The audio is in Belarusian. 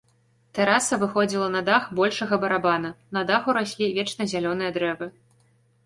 Тэраса выходзіла на дах большага барабана, на даху раслі вечназялёныя дрэвы.